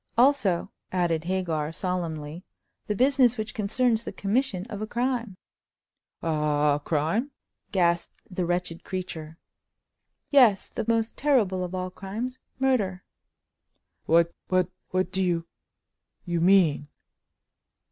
"Also," added Hagar, solemnly, "the business which concerns the commission of a crime." "A—a—a crime!" gasped the wretched creature. "Yes—the most terrible of all crimes—murder!" "What—what—what do you—you mean?"